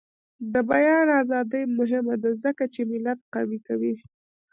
د بیان ازادي مهمه ده ځکه چې ملت قوي کوي.